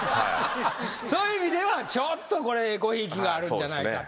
そういう意味ではちょっとこれえこひいきがあるんじゃないかと。